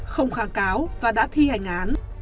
không kháng cáo và đã thi hành án